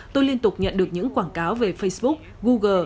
tôi liên tục nhận được những quảng cáo về facebook google